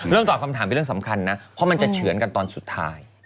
ตอบคำถามเป็นเรื่องสำคัญนะเพราะมันจะเฉือนกันตอนสุดท้าย